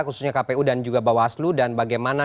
khususnya kpu dan juga bawaslu dan bagaimana